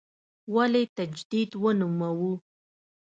ولې تجدید ونوموو.